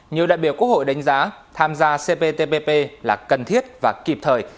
nhiều đại biểu quốc hội đánh giá tham gia cptpp là cần thiết và kịp thời